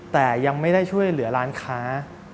แต่ยังไม่ได้ช่วยเหลือร้านค้า